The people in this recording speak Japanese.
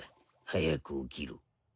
早く起きろ。